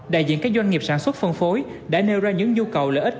đại diện các doanh nghiệp sản xuất phân phối đã nêu ra những nhu cầu lợi ích